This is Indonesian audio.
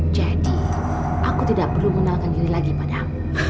jadi aku tidak perlu mengandalkan diri lagi padamu